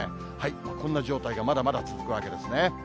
こんな状態がまだまだ続くわけですね。